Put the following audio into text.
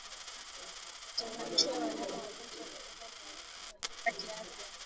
Watenganishe wanyama wagonjwa kutoka kwa wazima kiafya